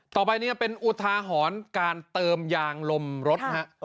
ต่อไปนี้เป็นอุทาหรณ์การเติมยางลมรถฮะ